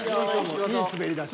いい滑り出し。